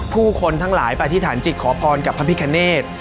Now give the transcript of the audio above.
ผู้คนทั้งหลายไปที่ฐานจิตขอพรกับพระพิกษ์เคณฑ์